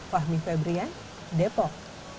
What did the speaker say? fahmi febrian depok